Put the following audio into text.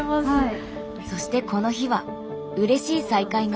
そしてこの日はうれしい再会が。